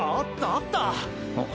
あっ。